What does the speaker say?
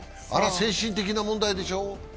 あれは精神的な問題でしょう？